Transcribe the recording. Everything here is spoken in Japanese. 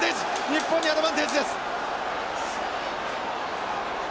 日本にアドバンテージです。